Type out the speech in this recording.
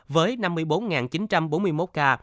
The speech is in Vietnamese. với năm mươi bốn chín trăm bốn mươi một ca